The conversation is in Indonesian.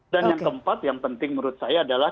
dan yang keempat yang penting menurut saya adalah